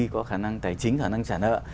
có khả năng tài chính khả năng trả nợ